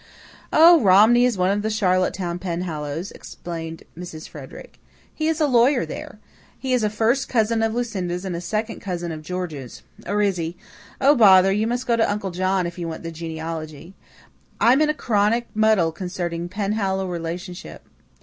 "Oh, Romney is one of the Charlottetown Penhallows," explained Mrs. Frederick. "He is a lawyer there. He is a first cousin of Lucinda's and a second of George's or is he? Oh, bother! You must go to Uncle John if you want the genealogy. I'm in a chronic muddle concerning Penhallow relationship.